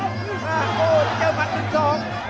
โอ้โหเจอหมัดหนึ่งสอง